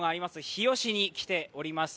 日吉に来ております。